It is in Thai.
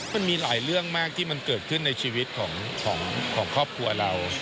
มันมีหลายเรื่องมากที่มันเกิดขึ้นในชีวิตของครอบครัวเรา